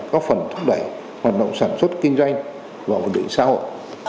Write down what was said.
có phần thúc đẩy hoạt động sản xuất kinh doanh và hồi đổi xã hội